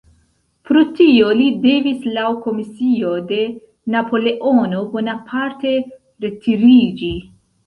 Pro tio li devis laŭ komisio de Napoleono Bonaparte retiriĝi.